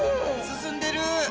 進んでる。